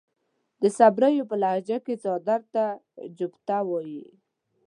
د صبريو پۀ لهجه کې څادر ته جوبټه وايي.